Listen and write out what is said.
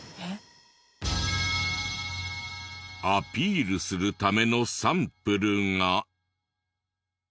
アピールするためのサンプルが。